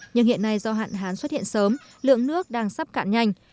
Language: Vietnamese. nhưng hiện nay do hạn hán xuất hiện sớm lượng nước đang sắp cạn nhanh